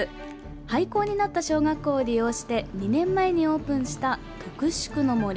廃校になった小学校を利用して２年前にオープンしたとくしゅくの杜。